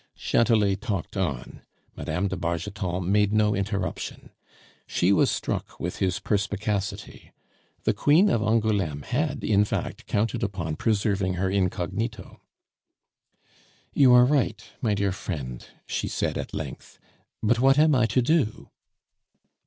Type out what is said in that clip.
Chatelet talked on; Mme. de Bargeton made no interruption. She was struck with his perspicacity. The queen of Angouleme had, in fact, counted upon preserving her incognito. "You are right, my dear friend," she said at length; "but what am I to do?"